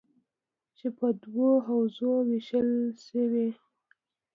چې په دوو حوزو ویشل شوي: